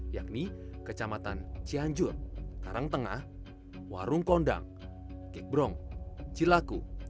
yakni kecamatan cianjur tarang tengah warung kondang kekbrong cilaku